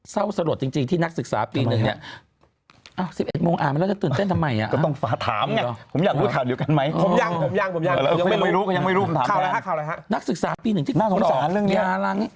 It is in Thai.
เศร้าสะโหลดจริงที่นักศึกษาปีหนึ่ง